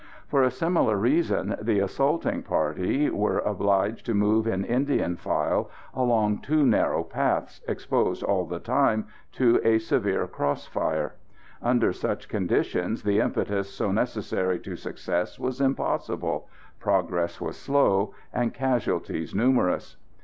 For a similar reason the assaulting party were obliged to move in Indian file along two narrow paths, exposed all the time to a severe cross fire. Under such conditions the impetus so necessary to success was impossible, progress was slow, and casualties numerous.